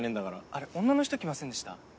あれ女の人来ませんでした？